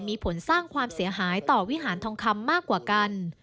มีผลสร้างความเสียหายต่อวิหารทองคำมากกว่ากัน